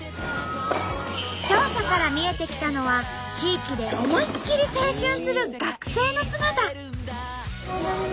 調査から見えてきたのは地域で思いっ切り青春する学生の姿。